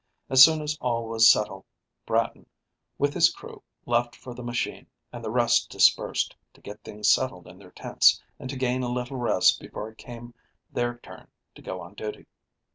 As soon as all was settled, Bratton, with his crew, left for the machine, and the rest dispersed, to get things settled in their tents and to gain a little rest before it came their turn to go on duty.